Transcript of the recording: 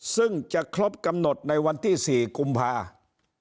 ซึ่งจะครบกำหนดในวันที่๔กุมภาคม